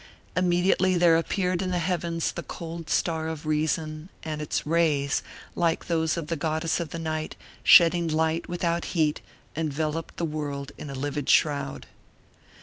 Immediately there appeared in the heavens the cold star of reason, and its rays, like those of the goddess of the night, shedding light without heat, enveloped the world in a livid shroud.